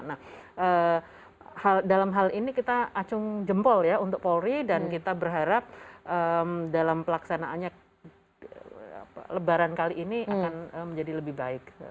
nah dalam hal ini kita acung jempol ya untuk polri dan kita berharap dalam pelaksanaannya lebaran kali ini akan menjadi lebih baik